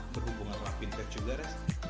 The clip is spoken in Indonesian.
berhubungan sama vintage juga res